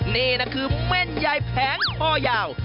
นี่นะคือเม่นใยแผงคอยาว